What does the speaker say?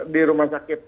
di rumah sakit